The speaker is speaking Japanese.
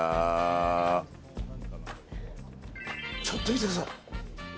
ちょっと見てください。